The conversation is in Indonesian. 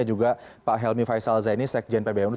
dan juga pak helmy faisal zaini sekjen pbnu